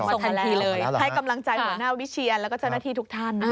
ให้กำลังใจหัวหน้าวิเชียรและเจ้าหน้าที่ทุกท่านนะครับ